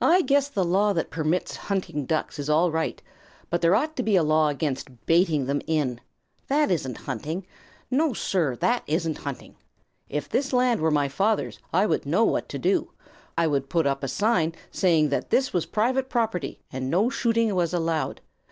"I guess the law that permits hunting Ducks is all right, but there ought to be a law against baiting them in. That isn't hunting. No, Sir, that isn't hunting. If this land were my father's, I would know what to do. I would put up a sign saying that this was private property and no shooting was allowed.